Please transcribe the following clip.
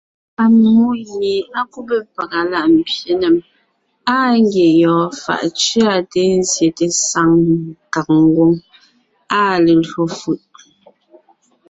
Ammó gie á kúbe pàga láʼ mbyěnèm, áa ngie yɔɔn fàʼ cʉate nzyete saŋ kàg ngwóŋ, áa lelÿò fʉ̀ʼ.